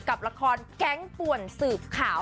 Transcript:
กับละครแก๊งป่วนสืบข่าว